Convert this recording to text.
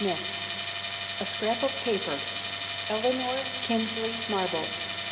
88×1.38. A SCRAP OF PAPER. ELANORA KINSLEY MARBLE.